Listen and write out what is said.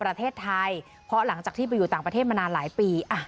คุณสุลินบอกว่ามีความผูกพันกับคุณนักศิลป์ทำให้ดีใจมาก